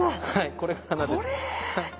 これが花です。